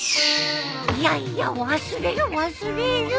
いやいや忘れる！